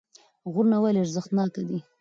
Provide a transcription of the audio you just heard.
غرونه ولې ارزښتناکه دي